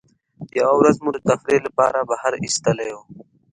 یوه ورځ مو د تفریح له پاره بهر ایستلي وو.